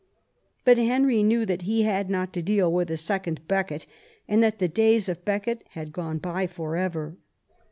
But Henry knew that he had not to deal with a second Becket, and that the days of Becket had gone by for ever.